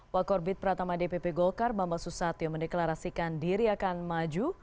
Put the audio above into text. wakorbit pratama dpp golkar bambang susatyo mendeklarasikan diri akan maju